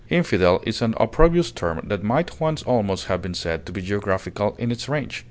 Infidel is an opprobrious term that might once almost have been said to be geographical in its range.